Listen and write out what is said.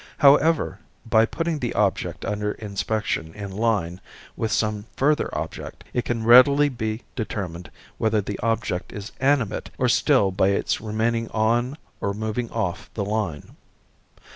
However, by putting the object under inspection in line with some further object, it can readily be determined whether the object is animate or still by its remaining on or moving off the line.